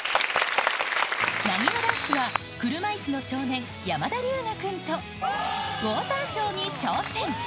なにわ男子は車いすの少年、山田龍芽君と、ウォーターショーに挑戦。